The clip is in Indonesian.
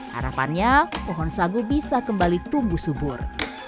harapannya pohon sagu bisa kembali tumbuh subur